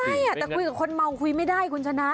ใช่แต่คุยกับคนเมาคุยไม่ได้คุณชนะ